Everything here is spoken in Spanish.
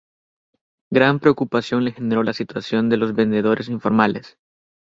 Gran preocupación le generó la situación de los vendedores informales.